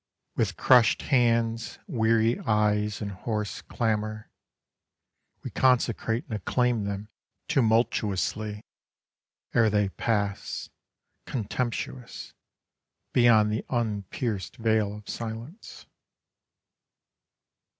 With crushed hands, weary eyes, and hoarse clamour, We consecrate and acclaim them tumultuously Ere they pass, contemptuous, beyond the unpierced veil of silence.